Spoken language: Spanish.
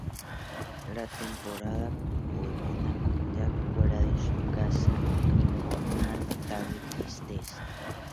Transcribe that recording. La temporada culmina con Jack fuera de su casa con un notable tristeza.